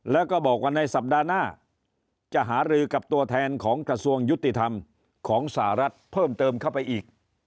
แล้วก็บอกว่าในสัปดาห์หน้าจะหารือกับตัวแทนของกระทรวงยุติธรรมของสหรัฐเพิ่มเติมเข้าไปอีก